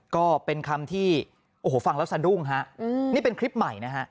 ก็เป็นคำที่โอ้โหฟังแล้วสะดุ้งฮะนี่เป็นคลิปใหม่นะฮะ